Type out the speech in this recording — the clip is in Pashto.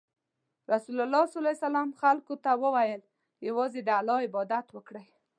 رسول الله خلکو ته وویل: یوازې د الله عبادت وکړئ.